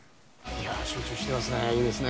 集中していますね。